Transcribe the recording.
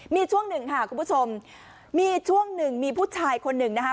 มีช่วงหนึ่งค่ะคุณผู้ชมมีช่วงหนึ่งมีผู้ชายคนหนึ่งนะคะ